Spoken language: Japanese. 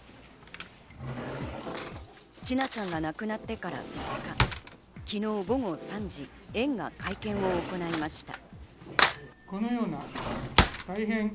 千奈ちゃんが亡くなってから２日、昨日午後３時、園が会見を行いました。